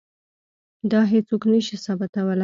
دا هیڅوک نه شي ثابتولی.